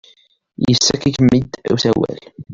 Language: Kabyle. Yessaki-kem-id usawal?